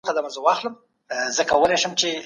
د کارمندانو وړتیاوې باید وارزول سي.